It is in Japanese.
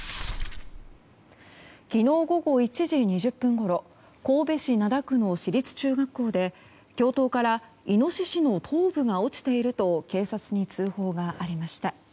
昨日午後１時２０分ごろ神戸市灘区の市立中学校で教頭からイノシシの頭部が落ちていると警察に通報がありました。